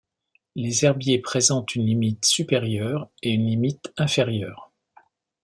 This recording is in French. Les herbiers présentent une limite supérieure et une limite inférieure.